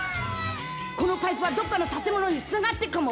このパイプはどっかの建物につながってっかも。